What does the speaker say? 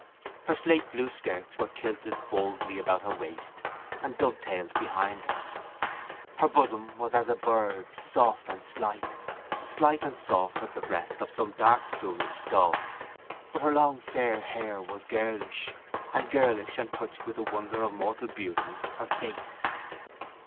Her slateblue skirts were kilted boldly about her waist and dovetailed behind her. Her bosom was as a bird's, soft and slight, slight and soft as the breast of some darkplumaged dove. But her long fair hair was girlish: and girlish, and touched with the wonder of mortal beauty, her face.